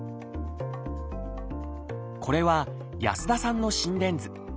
これは安田さんの心電図。